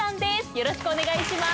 よろしくお願いします。